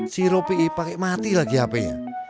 si ropi pake mati lagi hpnya